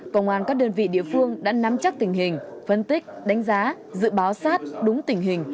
công an các đơn vị địa phương đã nắm chắc tình hình phân tích đánh giá dự báo sát đúng tình hình